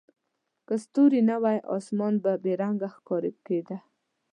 که ستوري نه وای، اسمان به بې رنګه ښکاره کېده.